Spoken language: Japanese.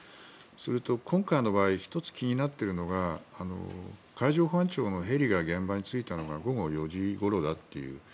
それと、今回の場合１つ気になっているのは海上保安庁のヘリが現場に着いたのが午後４時ごろだという。